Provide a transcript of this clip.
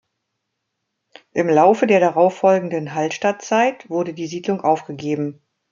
Im Laufe der darauffolgenden Hallstattzeit wurde die Siedlung aufgegeben.